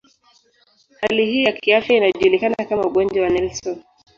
Hali hii ya kiafya inajulikana kama ugonjwa wa Nelson.